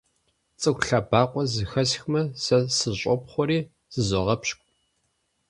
ЦӀыху лъэбакъуэ зэхэсхмэ, сэ сыщӀопхъуэри зызогъэпщкӀу.